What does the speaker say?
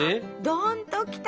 どんときた！